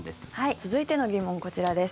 続いての疑問こちらです。